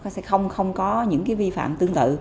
sẽ không có những vi phạm tương tự